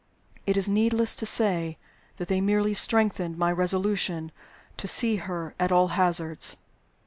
It is needless to say that they merely strengthened my resolution to see her at all hazards.